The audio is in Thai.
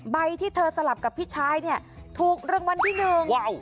ใบที่เธอสลับกับพี่ชายนี่ถูกรังวัลที่๑